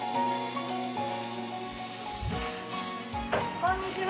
こんにちは。